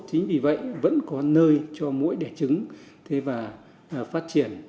chính vì vậy vẫn có nơi cho mỗi đẻ trứng và phát triển